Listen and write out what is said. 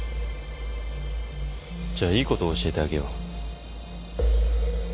じゃあいいことを教えてあげよう。